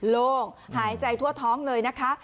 โล่งหายใจทั่วท้องเลยนะคะ